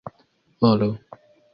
volo